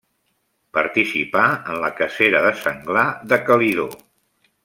Participà en la cacera de senglar de Calidó.